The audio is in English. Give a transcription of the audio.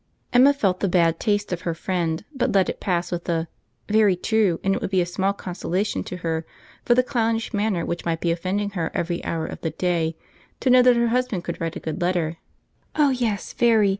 Emma felt the bad taste of her friend, but let it pass with a "very true; and it would be a small consolation to her, for the clownish manner which might be offending her every hour of the day, to know that her husband could write a good letter." "Oh! yes, very.